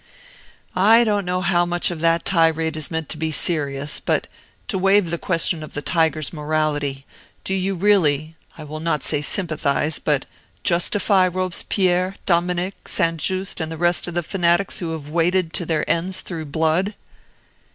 "I don't know how much of that tirade is meant to be serious; but to waive the question of the tiger's morality, do you really I will not say sympathize, but justify Robespierre, Dominic, St. Just, and the rest of the fanatics who have waded to their ends through blood."